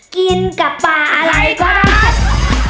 กินกับปลาอะไรก็ได้